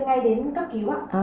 cần bị tiêu ngay đến các cứu ạ